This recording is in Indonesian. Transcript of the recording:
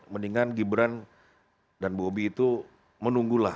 mendingan gibran dan bobi itu menunggulah